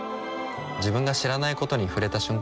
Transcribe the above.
自分が知らないことに触れた瞬間